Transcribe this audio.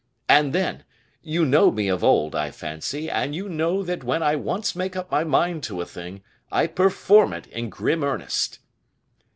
And then, you know me of old, I fancy, and you know that when I once make up my mind to a thing, I perform it in grim earnest."